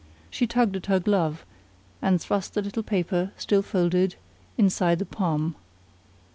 She tugged at her glove, and thrust the little paper, still folded, inside the palm.